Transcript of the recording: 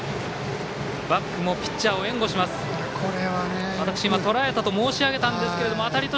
バックもピッチャーを援護します。